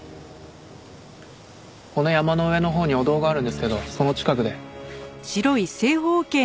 この山の上のほうに御堂があるんですけどその近くで。